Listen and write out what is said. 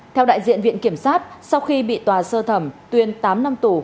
theo đại diện viện kiểm sát sau khi bị tòa sơ thẩm tuyên tám năm tù